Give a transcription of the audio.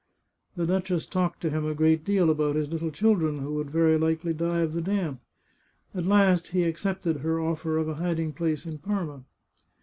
The duchess talked to him a great deal about his little children, who would very likely die of the damp. At last he accepted her offer of a hiding place in Parma.